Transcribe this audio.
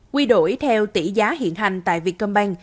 quy đổi theo tỷ giá hiện hành tại vietcombank